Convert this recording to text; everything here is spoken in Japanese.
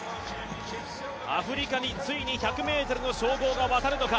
アフリカについに１００ｍの称号が渡るのか。